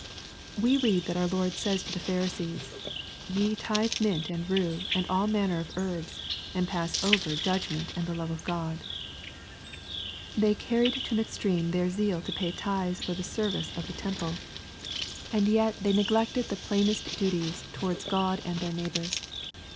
We read that our Lord says to the Pharisees, " Ye tithe mint and rue, and all manner of herbs, and pass over judgment and the love of God." They carried to an extreme their zeal to pay tithes for the service of the LUKEj CHAP. XI. 45 iiemple ;— and yet they neglected the plainest duties to wards God and their neighbors.